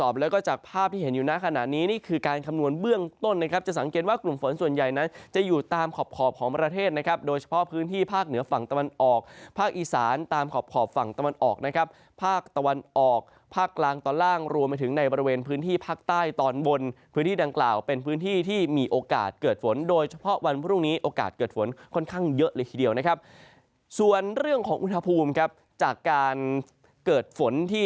ภาคเหนือฝั่งตะวันออกภาคอีสานตามขอบฝั่งตะวันออกนะครับภาคตะวันออกภาคกลางตอนล่างรวมมาถึงในบริเวณพื้นที่ภาคใต้ตอนบนพื้นที่ดังกล่าวเป็นพื้นที่ที่มีโอกาสเกิดฝนโดยเฉพาะวันพรุ่งนี้โอกาสเกิดฝนค่อนข้างเยอะเลยทีเดียวนะครับส่วนเรื่องของอุณหภูมิครับจากการเกิดฝ